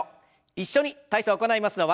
一緒に体操行いますのは。